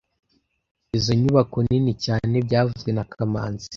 Izoi nyubako nini cyane byavuzwe na kamanzi